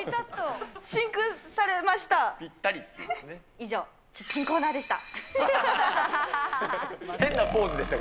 以上、キッチンコーナーでした。